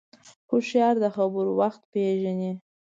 هوښیار د خبرو وخت پېژني